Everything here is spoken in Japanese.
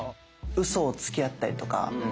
ウソをつき合ったりとか。